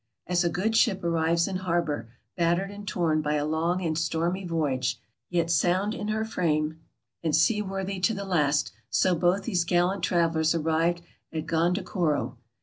As a good ship arrives in harbor, battered and torn by a long and stormy voyage, yet sound in her frame and AFRICA 383 seaworthy to the last, so both these gallant travelers arrived at Gondokoro.